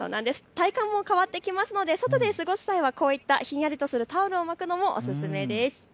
体感も変わってきますので外で過ごす際はこういったひんやりとするタオルを巻くのもおすすめです。